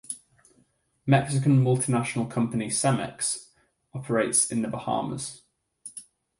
Mexican multinational company Cemex operates in the Bahamas.